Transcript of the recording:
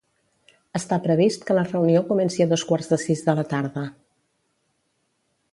Està previst que la reunió comenci a dos quarts de sis de la tarda.